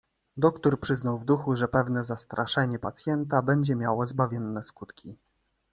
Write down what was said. "Doktór przyznał w duchu, że pewne zastraszenie pacjenta będzie miało zbawienne skutki."